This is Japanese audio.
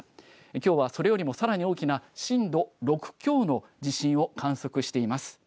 きょうはそれよりもさらに大きな震度６強の地震を観測しています。